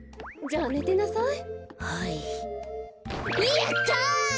やった！